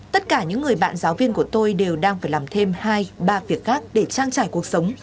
tất cả những người bạn giáo viên của tôi đều đang phải làm thêm hai ba việc khác để trang trải cuộc sống